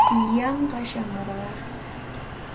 Yanqa shamurqaa.